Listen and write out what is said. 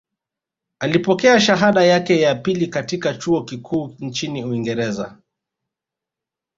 Alipokea shahada yake ya pili katika chuo kikuu nchini Uingereza